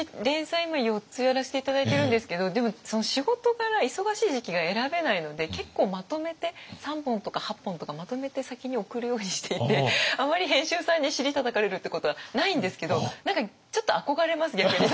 今４つやらせて頂いてるんですけどでも仕事柄忙しい時期が選べないので結構まとめて３本とか８本とかまとめて先に送るようにしていてあまり編集さんに尻たたかれるってことはないんですけど何かちょっと憧れます逆に。